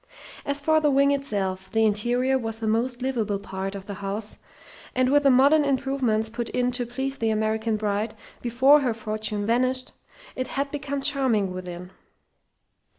As for the wing itself, the interior was the most "liveable" part of the house, and with the modern improvements put in to please the American bride before her fortune vanished, it had become charming within.